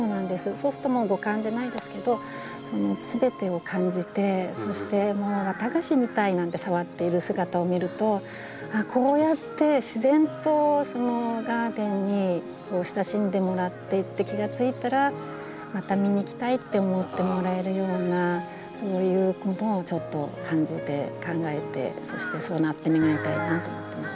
そうするともう五感じゃないですけどすべてを感じてそして綿菓子みたい！なんて触っている姿を見るとこうやって自然とガーデンに親しんでもらっていって気が付いたらまた見に来たいって思ってもらえるようなそういうものをちょっと感じて考えてそしてそうなってもらいたいなと思ってます。